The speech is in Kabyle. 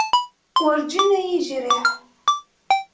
Werǧin ay iyi-yejriḥ.